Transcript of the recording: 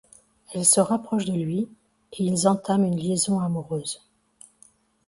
Elle se rapproche de lui et ils entament une liaison amoureuse.